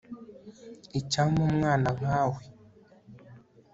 icyampa umwana nka we